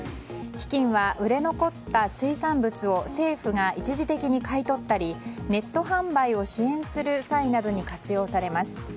基金は売れ残った水産物を政府が一時的に買い取ったりネット販売を支援する際などに活用されます。